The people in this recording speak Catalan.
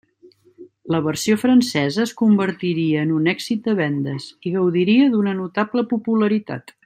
La versió francesa es convertiria en un èxit de vendes, i gaudiria d'una notable popularitat.